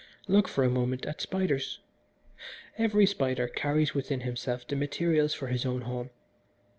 "Look for a moment at spiders. Every spider carries within himself the materials for his own home.